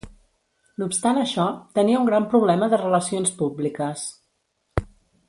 No obstant això, tenia un gran problema de relacions públiques.